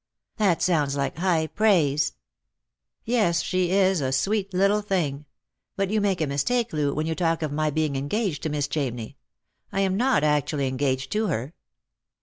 " That sounds like high praise." " Yes, she is a sweet little thing. But you make a mistake, Loo, when you talk of my being engaged to Miss Chamney. I am not actually engaged to her."